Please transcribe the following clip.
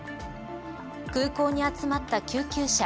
空港に集まった救急車。